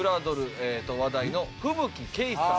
話題の風吹ケイさん。